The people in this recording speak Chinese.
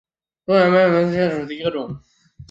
东洋毛扁蝽为扁蝽科毛扁蝽属下的一个种。